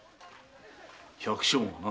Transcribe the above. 百姓がな。